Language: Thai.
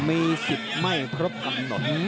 มีสิทธิ์ไม่ครบกำหนด